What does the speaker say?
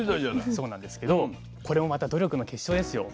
そうなんですけどこれもまた努力の結晶ですよ。